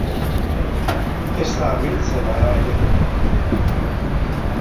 Ez da amiltzen, hala ere.